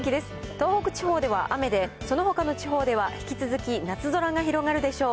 東北地方では雨で、そのほかの地方では引き続き夏空が広がるでしょう。